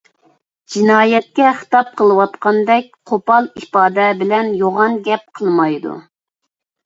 جىنايەتچىگە خىتاب قىلىۋاتقاندەك قوپال ئىپادە بىلەن يوغان گەپ قىلمايدۇ.